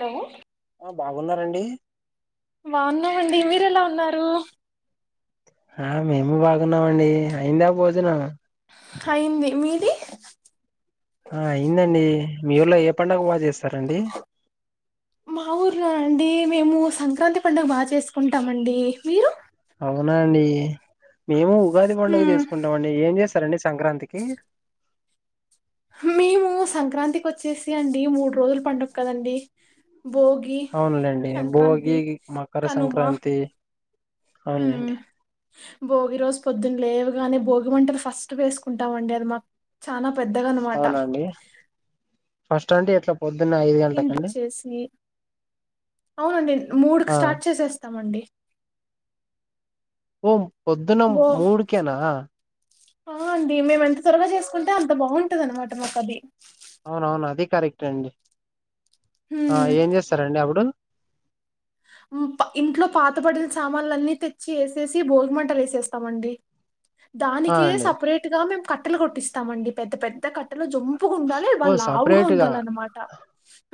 Hello ఆ బాగున్నారండి బాగున్నామండి మీరు ఎలా ఉన్నారు హా మేము బాగున్నామండి అయిందా భోజనం అయింది మీది ఆ అయిందండి మీఊర్లో ఏ పండుగ బాగ జేస్ మా ఊర్లో అండి మేము సంక్రాంతి పండగ బాగా చేసుకుంటామండి మీరు అవునా అండి మేము ఉగాది పండగ హ్మ్ చేసుకుంటామండి ఏం చేస్ వత్తారా అండి సంక్రాంతికి మేము సంక్రాంతికి వచ్చేసి అండి మూడు రోజులు పండక్కదండీ అవునులేండి భోగి మకర కనుమ సంక్రాంతి అవున్ హ్మ్ లేండి భోగి రోజు పొద్దున లేవగానే భోగిమంటలు ఫస్ట్ వేసుకుంటామండి అది మాకు చానా పెద్దదనమాట అవునండి ఫస్ట్ అంటే ఎట్ల ఇంటి వచ్చేసి అవునండి మూడుకి ఆ స్టార్ట్ చేసేస్తామండి ఓమ్ పొద్దున బో మూడుకేనా ఆ అండి మేము ఎంత త్వరగా చేసుకుంటే అంత బాగుంటది అనమాట మాకు అది అవునవును అది కరెక్టేఅండి ఆ హ్మ్ ఏం జెస్తారండి అబ్బుడు ఇంట్లో పాతబడిల సామాన్లు అన్నీ తెచ్చి ఏసేసి భోగిమంటలు ఏసేస్తామండి ఆ దానికే అండి సపరేట్ గా మేం కట్టెలు కొట్టిస్తామండి పెద్ద పెద్ద కట్టె లు జొంపుగుండాలి బా ఓ లావుగా సపరేట్ గా ఉండాలనమాట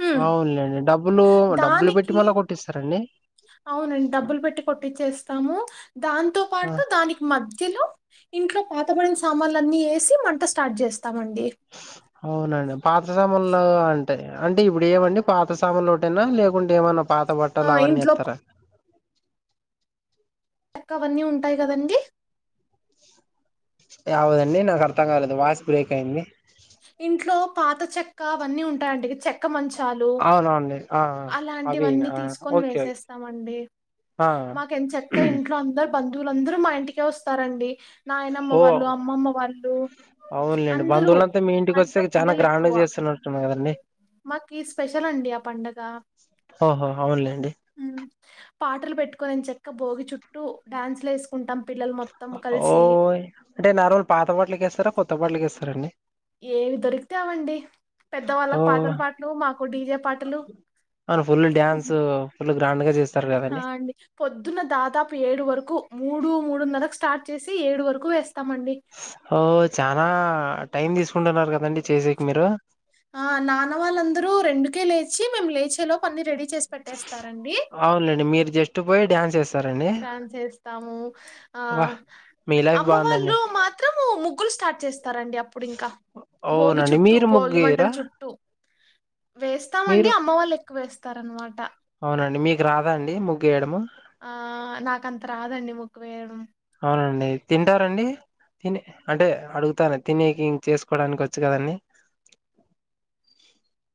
హ్మ్. అవునులేండి డబ్బులు డబ్బులు పెట్టి దానికి మళ్ళా కొట్టిస్తారండి అవునండి డబ్బులు పెట్టి కొట్టిచేస్తాము దాంతో ఆ పాటు దానికి మధ్యలో ఇంట్లో పాత పడిన సామాన్లు అన్నీ వేసి మంట స్టార్ట్ చేస్తా అవునండి పాత సామాన్లు అంటే ఇప్పుడు ఏమండి పాత సామాలోటేనా లేకుంటే ఏమన్నా పాత ఆ! బట్టలు అవన్నీ ఇంట్లో వేస్తారా ఎక్క అవన్నీ ఉంటాయి కదండీ యావదండి నా అర్థం కాలేదు వాయిస్ బ్రేక్ అయింది ఇంట్లో పాత చెక్క అవన్నీ ఉంటాయండి చెక్క మంచ్ తాలు అవునవునండి ఆ ఆ! అవినా అలాంటివన్నీ ఆ! తీసుకొని ఓకే ఓకే వేసేస్తామండి ఆ మాకు ఎం చెక్క ఇంట్లో అందరు బంధువులందరూ మా ఇంటికే వస్తారండి నాయనమ్మ ఓ వాళ్ళు అమ్మమ్మ వాళ్ళు అవునులేండి అందరూ బంధువులంతా మీ మా ఇంటికి వస్తే ఇంట్లో చాలా పిల్లలు గ్రాండ్ గా ఎక్కువ చేస్తున్నట్టున్నారు కదండి మాకు స్పెషల్ అండి ఆ పండగ ఓహో అవునులేండి ఉమ్ పాటలు పెట్టుకుని ఎం చెక్క భోగి చుట్టూ డ్యాన్సులు వేసుకుంటాం పిల్లలు మొత్తం ఓ్ కలిసి అంటే నార్మలు పాత పాట్లకేస్తారా కొత్త పాట్లకేస్తారండి ఏవి దొరికితే అవండి ఓ పెద్దవాళ్ళకి పాతల పాటలు మాకు డీజే పాటలు ఫుల్ డ్యాన్స్ ఫుల్ గ్రాం ఆ అండి పొద్దున్న దాదాపు ఏడు వరకు మూడు మూడున్నరకు స్టార్ట్ చేసి ఏడు వరకు వేస్తా ఓ చనా టైం తీసుకుంటున్నారు కదండి చేసేకి మీరు ఆ నాన్న వాళ్ళందరూ రెండుకే లేచి మేము లేచే లోపు అన్ని రెడీ చేసి పెట్టేస్తారండి. అవున్లెండి మీరు జస్ట్ పోయి డ్యాన్స్ ఏస్తారండి డ్యాన్స్ చేస్తాము ఆ వా మీ లైఫ్ అమ్మ బాగుందండి వాళ్ళు మాత్రము ముగ్గులు స్టార్ట్ చేస్తారండి అప్పుడు ఇంకా భోగి అవునండి చుట్టూ మీరు భోగి మంటల ముగ్గేయరా చుట్టూ వేస్తామండి మీరు అమ్మ వాళ్ళు ఎక్కువ వేస్తా స్తారు రనమాట అవునండి మీకు రాదా అండి ముగ్గేయడము ఆ నాకంత రాదండి ముగ్గు వేయడం అవునండి తింటారండి తిని అంటే అడుగుతాన తినేకి ఇం చేసుకోవడానికి వచ్చు కదండి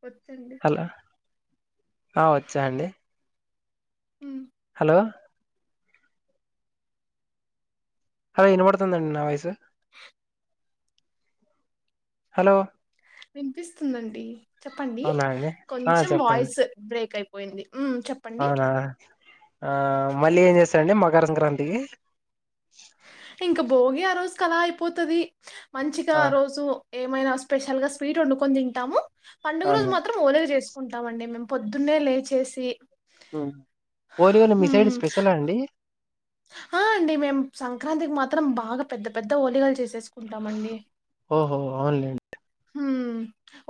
వచ్చండి హలో ఆ వచ్చా అండి హు హలో హా ఇన్బడుతుందండి నా వాయిస్ హలో వినిపిస్తుందండి చెప్పండి అవునా అండి ఆ కొంచెం చెప్పండి వాయిస్ బ్రేక్ అయిపోయింది హ్మ్. చెప్పండి. అవునా ఆ మళ్ళీ ఏం చేస్తారండి మాకు గరం గరం ది ఇంక భోగి ఆ రోజు క అలా అయిపోతుది మంచిగా ఆ రోజు ఏమైనా స్పెషల్ గా స్వీట్ వండుకొని తింటాము పండుగ రోజు అవును మాత్రం ఒలిగా చేసు ఉంటామండి మేము పొద్దున్నే లేచేసి ఓలివలు మిసైడ్ హ్మ్. స్పెషలా అండి ఆ అండి మేము సంక్రాంతికి మాత్రం బాగా పెద్ద పెద్ద ఓలిగాలు చేసేసుం ఓహో అవున్లే హ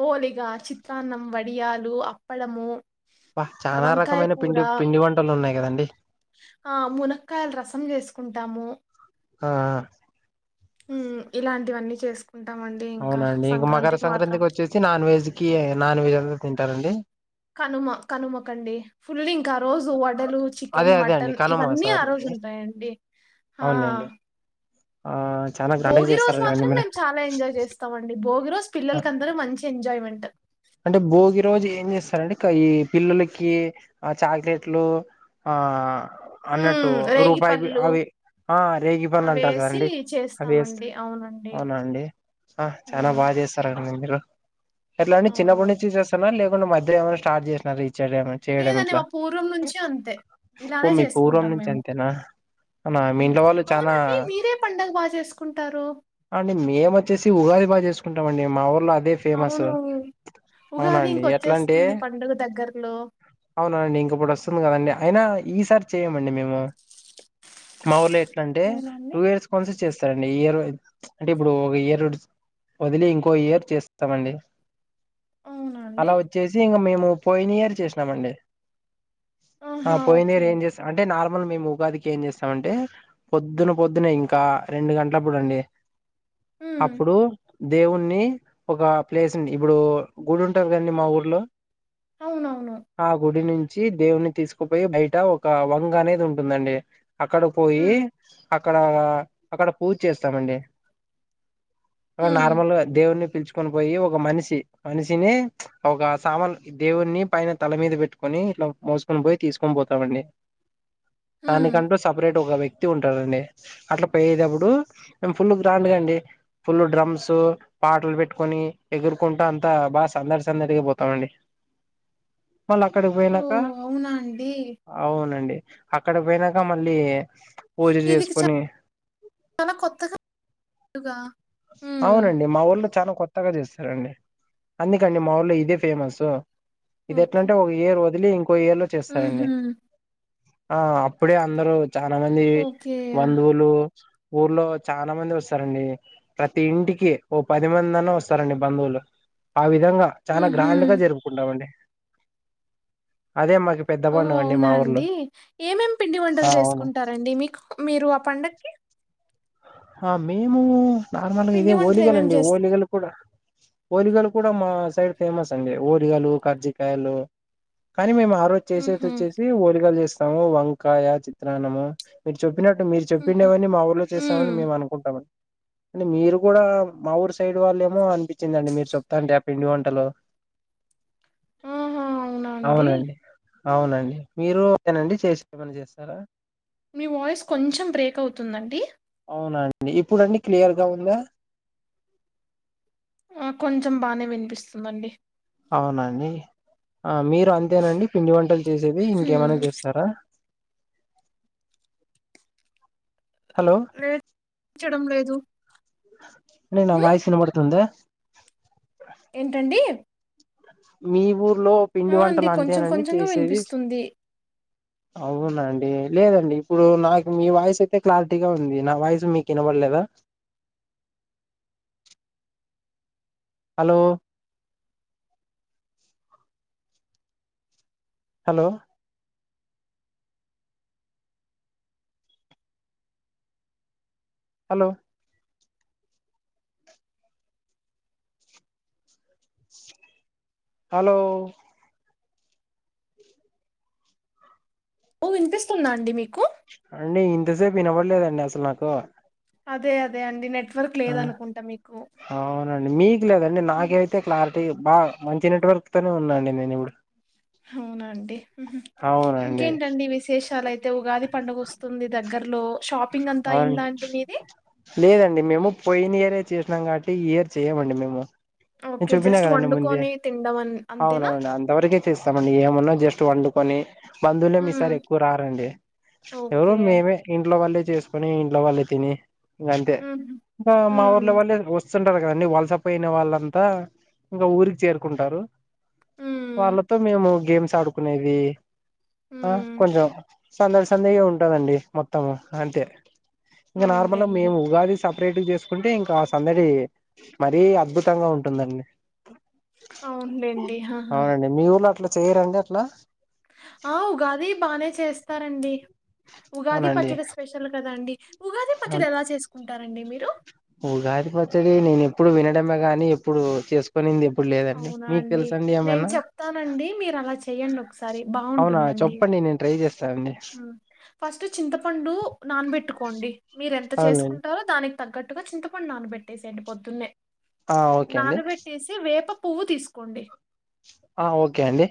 హోలిగా చిత్రాన్నం వడియాలు అప్పలము బ చాలా రకమైన పిండి పిండి వంటలు ఉన్నాయి కదండి ఆ మునక్కాయలు రసం చేసుకుంటాము ఆ మ్ ఇలాంటివన్నీ చేసుకు అవునండి ఇంక మకర సంక్రాంతికి వచ్చేసి నాన్ వెజ్ కి నాన్ వెజ్ అంతా తింటారండి కనుమ కనుమకండి ఫుల్ం కా రోజు వడలు అదే చికెన్ అదే అండి మటన్ కనుమ ఇవన్నీ ఆ సారీ రోజు అండి ఉంటాయండి ఆ, అవునులేండి ఆ చాలా గ్రాండ్ గా భోగి రజు చేస్తారు కదండి మాత్రం మీరు మేము చాల ఎంజాయ్ చేస్తామండి భోగి రోజు పిల్లలకి అందరూ మంచి ఎంజాయ్మెం అంటే భోగి రోజు ఏం చేస్తారండి కై పిల్లలకి ఆ చాక్లెట్లు ఆ అన్నట్టు మ్మ్, రేగి రూపాయి బి పళ్ళు అవి ఆ రేగి పళ్ళు అంటారు అవేసి కదండి అది వేస్ చేస్తామండి అవునండి అవునా అండి హా చానా ఉమ్, బాగా చేస్తారు అండి మీరు ఎట్లా అండి అవును చిన్నప్పటి నుంచి చేస్తున్నార లేకుంట మధ్యలే ఏమైనా స్టార్ చేస్నారా ఈ చెడ ఏమన్నా చేయడం లేదండి ఇట్లా మా పూర్వం నుంచి అంతే ఓ మీ పూర్వం నుంచి అంతేనా అవునా మీ మ్ ఇంట్లో వాళ్ళు చానా అవునండి మీరే పండగ బాగా చేసుకుంటారు ఆ అండి మేము వచ్చేసి ఉగాది బాగా చేసుకుంటాం అండి మా ఊర్లో అ అవును అవునా ఉగాది అండి ఎట్లా అంటే ఇంకొచ్చేస్తుంది పండుగ దగ్గరలో అవునా అండి ఇంకప్పుడు వస్తుంది కదండి అయినా ఈ సారి చేయమండి మేము మా ఊర్లో ఎట్లాంటే అవునండి టూ ఇయర్స్కి వన్స్ చేస్తారండి ఈ ఇయర్ అంటే ఇప్పుడు ఒక ఇయర్ వదిలి ఇంకో ఇయర్ చేస్తామండి అవునండి అలా వచ్చేసి ఇంక మేము పోయినియర్ చేసినామండి ఆ ఆహా! పోయిన ఓకే. ఇయర్ ఏం చేస్ అంటే నార్మ్ మల్ మేము ఉగాదికి ఏం చేస్తామంటే పొద్దున పొద్దున ఇంకా రెండు గంటలప్పుడు అండి హ్మ్. అప్పుడు దేవుణి ఒక ప్లేస్ ఇప్పుడు గుడి ఉంటాది కదండీ మా ఊర్లో అవునవును. ఆ గుడి నుం చ్చి దేవుని తీసుకుపోయి బయట ఒక వంగ అనేది ఉంటుందండి అక్కడ పోయి హ్మ్. అ క్కడ అక్కడ పూజ చేస్తామండి అక్కడ హ్మ్. నార్మల్గా దేవుని న్నీ పిలుచుకొని పోయి ఒక ఒక మనిషి మనిషినే ఒక సామాన్ దేవుని పైన తల మీద పెట్టుకుని ఇట్లా మోసుకు కొనిపోయి తీసుకొని పోతామండి హ్మ్. దానికంటూ సపరేట్ వోకా వ్య క్తి ఉంటారండి అట్లా పోయేటప్పుడు మేము ఫుల్ గ్రాండ్గా అండి ఫుల్ డ్రమ్స్ పాటలు పెట్టుకొని ఎగురుకుంటూ అంతా బాగా సందడి సందడిగి పోతామండి మళ్ళ అక్కడికి పోయినాక ఓహ్! అవునా అండి? అవునండి అక్కడ పోయినాక మళ్ళీ పూజ ఇది చ చేసుకొని చాలా కొత్తగా గా అవునండి మా ఊల్ ల్లో చానా కొత్తగా చేస్తారండి అందుకండి మాఊల్లో ఇదే ఫేమసు ఇది ఓకే. ఎట్లంటే ఒక ఇయర్ వదిలి ఇంకో ఇయర్ లో చేస్తారండి హుహు. ఆ అప్పుడే అందరూ చానా మంది ఓకే. బంధువులు ఊర్లో చాలా మంది వస్తారండి ప్రతి ఇంటికి ఓ పది మంది అన్నా వస్తారండి బంధువులు పావి ధంగా చాలా హుహు. గ్రాండ్ గా జరుపుకుంటామండి అదే మా పెద్ద ఓ పండుగ అవునా ఊర్లో అండి ఏమేమి పిండి ఆ వంటలు అవును చేసుకుంటారండి మీకు మీరు పండక్కి ఆ మేము నార్మల్గా ఇదే పిండి వంటలేమేం ఓలిగలండి చేస్ ఓలిగలు కూడా ఓలిగలు కూడా మా సైడ్ ఫేమస్ అండి ఓలిగాలు కజ్జికాయలు కానీ మేము ఆ రోజ్ చేసేతి హుహు. వచ్చేసి ఓలిగాలు చేస్తాము వంకాయ, చిత్రాన్నము మీరు చ ప్పినట్టు మీరు హుహు. చెప్పిండేవన్నీ మా ఊళ్ళో హ్మ్. చేస్తామని మేము అనుకుంటాము అంటే మీరు కూడా మా ఊరు సైడ్ వాళ్ళేమో అనిపించిందండి మీరు చెప్తాంటే ఆ పిండి వంటలు ఆహా! అవునా అండి? అవునండి అవునండి మీరు ఓకే నా అండి చేసి ఏమనా చేస్తారా మీ వాయిస్ కొంచెం బ్రేక్ అవుతుందండి అవునాండి ఇప్పుడుండి క్లియర్ గా ఉందా ఆ కొంచెం బానే వినిపిస్తుందండి అవునండి ఆ మీరు అంతేనండి పిండి వంటలు చేసేది హ్మ్. ఇంకేమైనా చేస్తారా హలో లేదు చేఛిడం లేదు నా హ్మ్? వాయిస్ వినబడుతుందా ఏంటండి మీ ఊర్లో ఆ పిండి అండి వంటలు కొంచెం అంతేనండి కొంచెంగా చేసేది వినిపిస్తుంది అవునండి లేదండి ఇప్పుడు నాకు మీ వాయిస్ అయితే క్లారిటీగా ఉంది నా వాయిసు మీకు వినబడలేదు లా అ హలో హలో హలో హలో ఓ వినిపిస్తుందా అండి మీకు అండి ఇంతసేపు వినవడలేదండి అసలు నాకు అదే అదే అండి నెట్వర్క్ ఆ లేదు అనుకుంటా మీకు అవునండి మీకు లేదండి నాక ఉమ్, అయితే క్లారిటీ బా మంచి నెట్వర్క్ తనే ఉన్నాండి నేను ఇప్పుడు అవునండి ఉహు అవునండి ఇంకేంటండి విశేషాలయితే ఉగాది పండుగ వస్తుంది దగ్గరలో షాప్ అ లేదండి మేము పోయిన ఇయరే చేసినాం కాబట్టి ఈ ఇయర్ చేయమండి మేము నేను ఓకే చెప్పిన జస్ట్ కదా అండి ముందే వండుకొని తినడం అన్- అంతేనా అవునవును అంతవరకే చేస్తామండి ఏమన్నా జస్ట్ వండుకొని బంధువులే ఏమీ ఇసారి ఉమ్, ఎక్కువ రారండి ఎవరు ఓకే మేమే ఇంట్లో వాళ్లే చేసుకొని ఇంట్లో వాళ్ళే తిని గంతే ఉమ్, ఇంకా మా ఉమ్, ఊర్లో ఎవలు లేరు దోస్తులు వస్తుంటారు కదా వలస పోయిన వాళ్ళంతా ఇంకా ఊరికి చేరుకుంటారు ఉమ్, వాళ్ళతో మేము గేమ్స్ ఆడుకునేది ఆ ఉమ్, కొంచెం సందడి సందిగా ఉంటుందండి మొత్తము అంతే ఇంకా నార్మల్ గా అవునులేండి మేము ఉగాది సపరేట్ చేసుకుంటే ఇంకా సందడి మరీ అద్భుతంగా ఉంటుందండి అవునులేండి ఆహా. అవును అండి మీ ఊర్ల అట్లా చేయరండి అట్లా ఆ ఉగాది బానే చేస్తారండి ఉగాది అవునండి పచ్చడి స్పెషల్ కదండి ఉగాది అవును. పచ్చడి ఎలా చేసుకుంటారండి మీరు ఉగాది పచ్చడి నేను ఎప్పుడు వినడమే గాని ఎప్పుడు చేసుకునింది ఎప్పుడు లేదండి అవునా మీకు అండి తెలుసండి నేను ఏమైనా చెప్తానండి మీరు అలా చెయ్యండి ఒకసారి అవునా బాగుంటుందండి చెప్పండి నేను ట్రై చేస్త హు ఫస్ట్ చింతపండు నానబెట్టుకోండి మీరెంత అవునండి చేసుకుంటారో దాని తగ్గట్టుగా చింతపండు నానబెట్టేసేయండి పొద్దున్నే ఆ ఓకే అండి నానబెట్టేసి వేప పువ్వు తీసుకోండి ఆ ఓకే అండి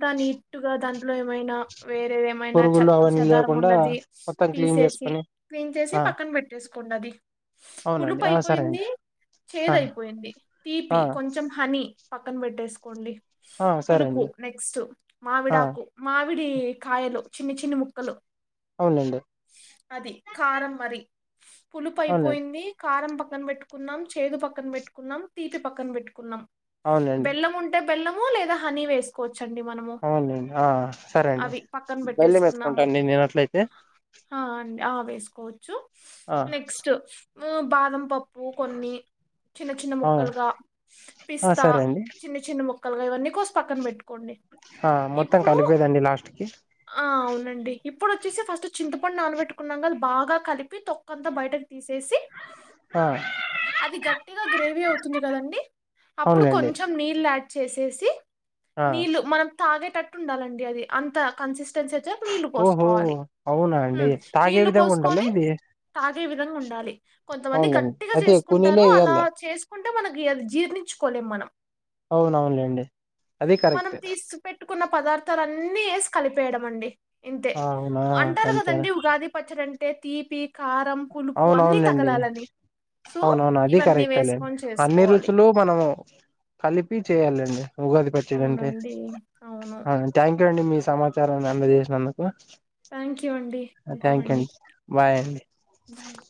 అంత నీటు గా దాంట్లో ఏమైనా వేరే ఏమైనా పురుగులు చెత్త అవన్నీ చదారం లేకుండా ఉన్నది మొత్తం క్లీన్ తీసేసి చేసుకొని క్లీన్ చేసి ఆ పక్కన పెట్టేసుకోండి అది అవునండి పులుపు ఆ సరే అయిపోయింది అండి ఆ చేదు అయిపోయింది తీపి ఆ కొంచెం హని పక్కన పెట్టేసుకోండి ఆ సరే పులుపు అండి నెక్స్ట్ ఆ మావిడాకు మావి మామిడి కాయలు చిన్న చిన్న ముక్కలు అవునండి అది కారం మరి పులుపు అవునులేండి అయిపోయింది కారం ప పక్కన పెట్టుకున్నాం చేదు పక్కన పెట్టుకున్నాం తీపి పక్కన పెట్టుకున్నాం అవునులేండి బెల్లం ఉంటే బెల్లము లేదా హనీ వేసుకో అవునులేండి ఆ సరే అండి అవి పక్కన బెల్లం వేసుకుంటా పెట్టేసుకున్నాము అండి నేనట్లయితే ఆ ఆ వేసుకోవచ్చు నెక్స్ట్ మ్మ్ బాదం పప్పు కొన్ని చిన్న చిన్న అవును ముక్కలుగా ఆ పిస్తా సరే అండి చిన్న చిన్న ముక్కలుగా ఇవన్నీ కోసి పక్కన పెట్టు ఆ మొత్తం కలిపేది అండి లాస్ట్ కి ఆ అవునండి ఇప్పుడు వచ్చేసి ఫస్ట్ చింతపండు నానబెట్టుకున్నా క బాగా కలిపి తొక్కంతా బయటకి తీసేసి ఆ అది గట్టిగా గ్రేవీ అవుతుంది కదండి అప్పుడు అవునులేండి కొంచెం నీళ్ళు యా చేసేసి ఆ నీళ్లు మనం తాగేటట్టు ఉండాలండి అది అంత కన్సిస్ టెన్సీ నీళ్లు ఓహో పోసుకోవాలి అవునా అండి మ్మ్ తాగే నీళ్లు విధంగా ఉండాలా పోసుకొని ఇది తాగే విధంగా ఉండాలి కొంతమంది అవునులేండి గట్టిగా అయితే ఎక్కువ చేసుకుంటారు నీళ్ళే అలా ఎయ్యాల చేసు కుంటే మనకి అది జీర్ణించుకోలేం మనం అవునవునులేండి అది మనం కరెక్ట్ తీసు పెట్టుకున్న పదార్థాలు అన్ న్ని వేసి కలిపేయడం అండి ఇంతే అవునా అంటారు అంతేనా కదండి ఉగాది పచ్చడి అంటే తీపి కారం పులుపు అన్ని అవునవునులేండి తగలాలని సో అవునవును అది ఇవన్నీ కరెక్టలే వేసుకొని అన్ని చేసుకోవాలి రుచులు మనము కలిపి చేయాలెండి ఉగాది పచ్చడి అంటే అవునండి అవును ఆ థ్యాంక్ యూ అండి మీ సమాచారాన్ని అందజేసినందుకు థ్యాంక్ యూ అండి థ్యాంక్ యూ ఉంటామండి అండి బాయ్ అండి బాయ్ అన్